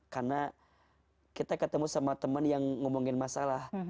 karena kita ketemu sama teman yang ngomongin masalah